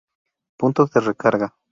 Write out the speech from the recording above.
Puntos de Recarga